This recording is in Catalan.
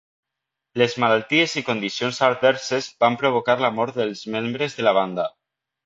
Les malalties i condicions adverses van provocar la mort dels membres de la banda.